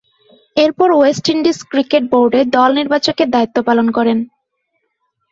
এরপর West Indies cricket বোর্ডে দল নির্বাচকের দায়িত্ব পালন করেন।